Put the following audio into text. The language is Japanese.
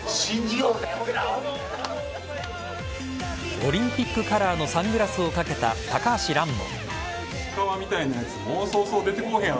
オリンピックカラーのサングラスをかけた高橋藍も。